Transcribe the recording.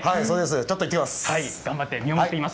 ちょっと行ってきます。